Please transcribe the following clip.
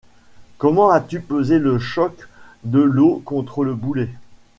Comment as-tu pesé le choc de l’eau contre le boulet?